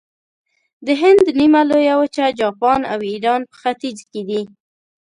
د هند لویه نیمه وچه، جاپان او ایران په ختیځ کې دي.